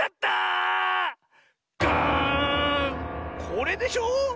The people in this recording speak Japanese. これでしょ！